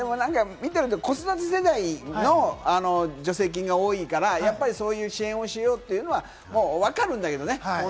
見てると子育て世代の助成金が多いから、やっぱりそういう支援をしようというのはわかるんだけどね。